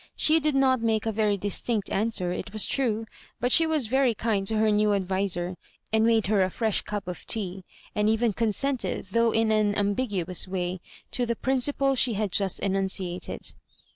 She did not make a very distinct answer, it was true, but she was very kind to her new adviser, and made her a fresh cup of tea, and even consented, though in an ambiguous way, to the principle she had = just enunciated.